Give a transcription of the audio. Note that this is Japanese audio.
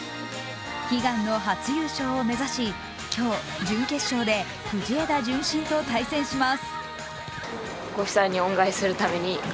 悲願の初優勝を目指し、今日、準決勝で藤枝順心と対戦します。